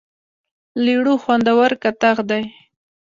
لیړو خوندور کتغ دی.